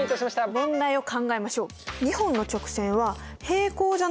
問題を考えましょう。